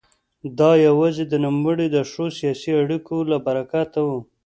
دا یوازې د نوموړي د ښو سیاسي اړیکو له برکته وه.